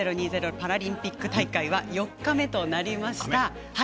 パラリンピック大会は４日目となりました。